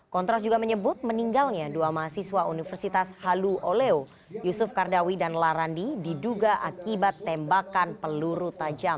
kontras juga menyebut meninggalnya dua mahasiswa universitas halu oleo yusuf kardawi dan larandi diduga akibat tembakan peluru tajam